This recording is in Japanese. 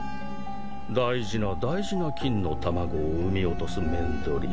大事な大事な金の卵を産み落とすめんどり。